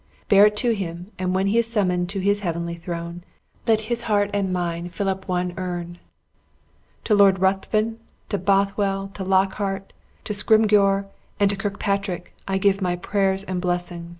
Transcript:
Bear it to him; and when he is summoned to his heavenly throne, then let his heart and mine fill up one urn. To Lord Ruthven, to Bothwell, to Lockhart, to Scrymgeour, and to Kirkpatrick I give my prayers and blessings."